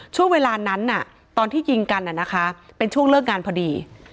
ช่วงเวลานั้นตอนที่ยิงกันเป็นช่วงเลิกงานพอดี